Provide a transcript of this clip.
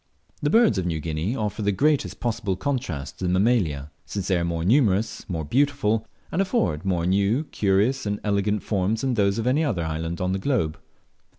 The birds of New Guinea offer the greatest possible contrast to the Mammalia, since they are more numerous, more beautiful, and afford more new, curious, and elegant forms than those of any other island on the globe.